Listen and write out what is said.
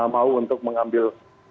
mau untuk mengambil